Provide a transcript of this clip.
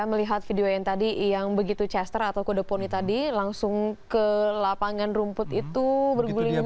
melihat video yang tadi yang begitu chester atau kode poni tadi langsung ke lapangan rumput itu bergulir